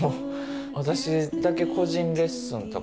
私だけ個人レッスンとか。